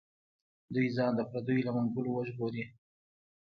دوی ځان د پردیو له منګولو وژغوري.